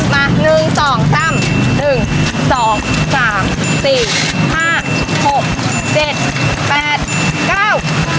มา๑๒ซ้ำ